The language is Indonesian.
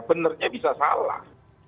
benarnya bisa salah